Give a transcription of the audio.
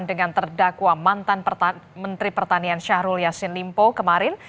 dengan terdakwa mantan menteri pertanian syahrul yassin limpo kemarin